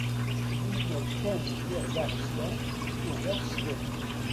Lemmer kan lliɣ d aɣezfan ugar s cwiṭ!